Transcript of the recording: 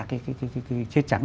cái chết trắng